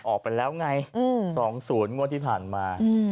ออกไปแล้วไง๒๐งวดที่ผ่านมา